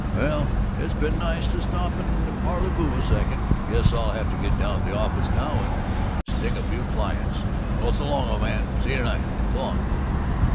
"Well, it's been nice to stop and parleyvoo a second. Guess I'll have to get down to the office now and sting a few clients. Well, so long, old man. See you to night. So long."